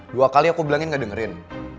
dua kali aku bilangin gak dengerin